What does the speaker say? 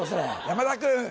山田君！